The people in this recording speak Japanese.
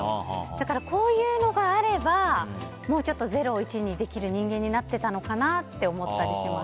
だから、こういうのがあればもうちょっと０を１にできる人間になってたのかなって思ってたりします。